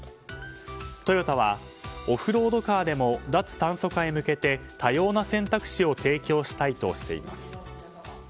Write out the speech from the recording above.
トヨタはオフロードカーでも脱炭素化へ向けて多様な選択肢を提供したいとしています。